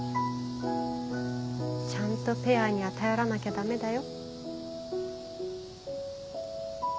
ちゃんとペアには頼らなきゃダメだよ。